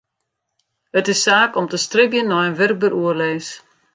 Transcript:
It is saak om te stribjen nei in wurkber oerlis.